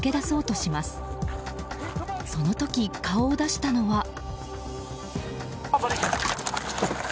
その時、顔を出したのは。